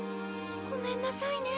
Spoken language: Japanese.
ごめんなさいね。